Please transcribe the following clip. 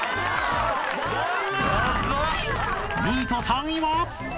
［２位と３位は？］